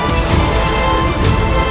aku tidak mau